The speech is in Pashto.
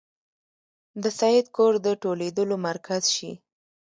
د سید کور د ټولېدلو مرکز شي.